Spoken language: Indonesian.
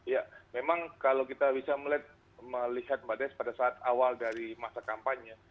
ya memang kalau kita bisa melihat mbak des pada saat awal dari masa kampanye